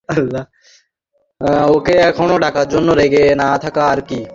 ওকে এখনো না ডাকার জন্য যদি রেগে না থাকে আরকি।